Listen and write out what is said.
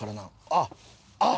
あっあっ！